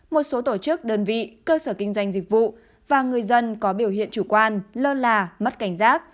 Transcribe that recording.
một số tổ chức đơn vị cơ sở kinh doanh dịch vụ và người dân có biểu hiện chủ quan lơ là mất cảnh giác